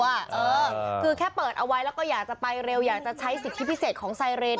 เออคือแค่เปิดเอาไว้แล้วก็อยากจะไปเร็วอยากจะใช้สิทธิพิเศษของไซเรน